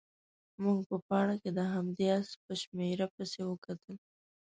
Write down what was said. موږ په پاڼه کې د همدې اس په شمېره پسې وکتل.